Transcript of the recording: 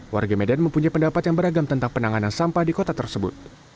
warga medan mempunyai pendapat yang beragam tentang penanganan sampah di kota tersebut